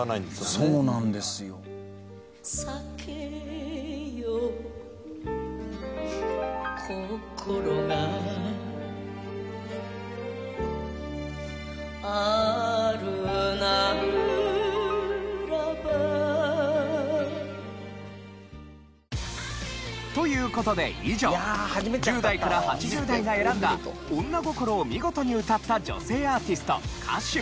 「そうなんですよ」という事で以上１０代から８０代が選んだ女心を見事に歌った女性アーティスト・歌手。